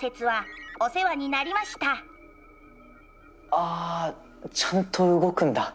ああちゃんと動くんだ。